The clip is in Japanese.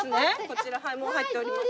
こちらもう入っております。